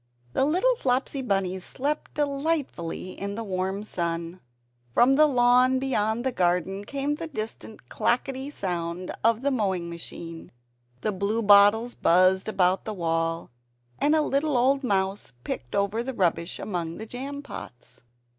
The little Flopsy Bunnies slept delightfully in the warm sun. From the lawn beyond the garden came the distant clacketty sound of the mowing machine. The blue bottles buzzed about the wall, and a little old mouse picked over the rubbish among the jam pots.